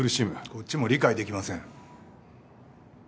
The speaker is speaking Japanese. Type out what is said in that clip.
こっちも理解出来ません。